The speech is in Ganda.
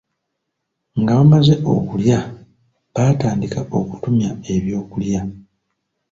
Nga bamaze okulya, baatandika okutumya eby'okulya.